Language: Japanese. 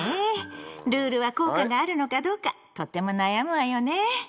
ルールは効果があるのかどうかとっても悩むわよね。